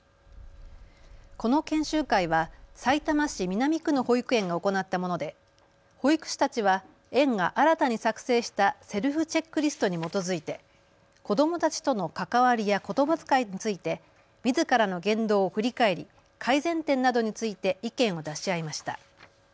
この研修会は、さいたま市南区の保育園が行ったもので保育士たちは園が新たに作成したセルフチェックリストに基づいて子どもたちとの関わりやことばづかいについてみずからの言動を振り返り改善点などについて意見を出し合いました。